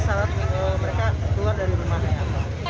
saat mereka keluar dari rumahnya